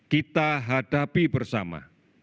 kita hadapi bersama